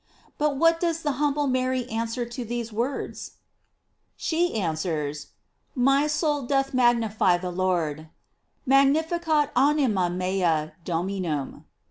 "f But what does the humble Mary answer to tbese words? She answers: My soul doth magnify the Lord: "Mag nificat anima mea Dominurn."